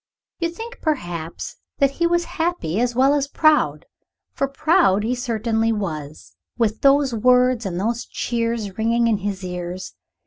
You think, perhaps, that he was happy as well as proud, for proud he certainly was, with those words and those cheers ringing in his ears.